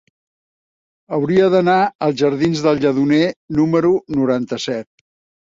Hauria d'anar als jardins del Lledoner número noranta-set.